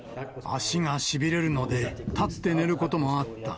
足がしびれるので、立って寝ることもあった。